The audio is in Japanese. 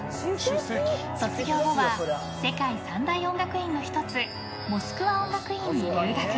卒業後は世界三大音楽院の１つモスクワ音楽院に留学。